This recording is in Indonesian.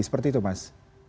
seperti itu mas